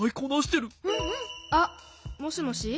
あっもしもし。